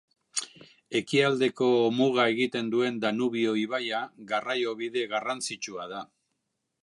Ekialdeko muga egiten duen Danubio ibaia garraiobide garrantzitsua da.